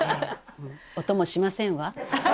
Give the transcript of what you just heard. お供しませんわ。